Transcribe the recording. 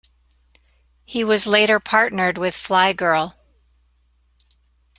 He was later partnered with Fly Girl.